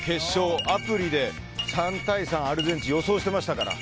アプリで３対３、アルゼンチンを予想してましたから。